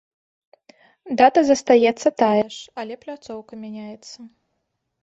Дата застаецца тая ж, але пляцоўка мяняецца.